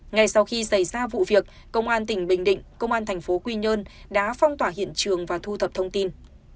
ngay sau khi xảy ra vụ việc công an tỉnh bình định công an thành phố quy nhơn đã phong tỏa hiện trường và thu thập thông tin